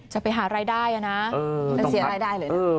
จะไปหารายได้นะมันเสียรายได้เลยนะ